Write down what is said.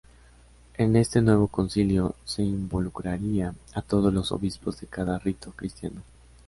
En este nuevo Concilio, se involucraría a todos los obispos de cada rito cristiano.